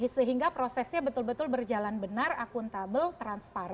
sehingga prosesnya betul betul berjalan benar akuntabel transparan